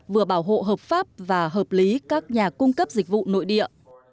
vừa bảo hộ hợp pháp và hợp lý các nhà cung cấp dịch vụ nội địa